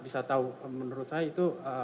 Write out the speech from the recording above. bisa tahu menurut saya itu